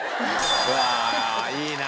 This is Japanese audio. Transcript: うわあいいな！